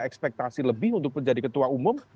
ekspektasi lebih untuk menjadi ketua umum